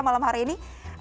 malam hari ini